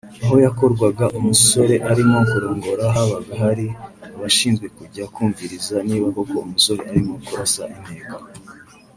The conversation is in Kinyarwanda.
Aho yakorwaga umusore arimo kurongora habaga hari abashinzwe kujya kumviriza niba koko umusore arimo kurasa intego